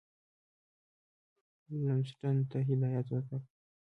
لمسډن ته هدایت ورکړ.